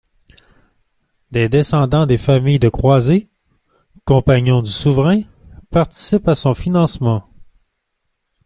Des descendants des familles de croisés, compagnons du souverain, participent à son financement.